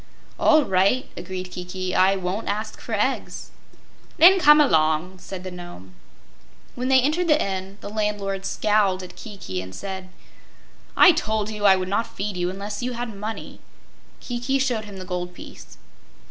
"All right," agreed Kiki; "I won't ask for eggs." "Then come along," said the Nome. When they entered the inn, the landlord scowled at Kiki and said: "I told you I would not feed you unless you had money." Kiki showed him the gold piece.